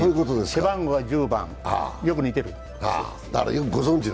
背番号は１０番、よく似てる。